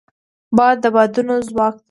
باد د بادبانو ځواک دی